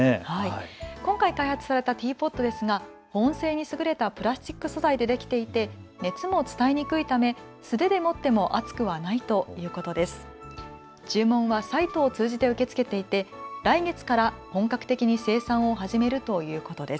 今回、開発されたティーポットですが保温性に優れたプラスチック素材でできていて熱も伝えにくいため素手で持っても熱くないということです。